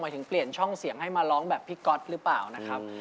ถึงเปลี่ยนช่องเสียงให้มาร้องแบบพี่ก๊อตหรือเปล่านะครับ